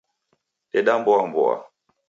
Deda mboa mboa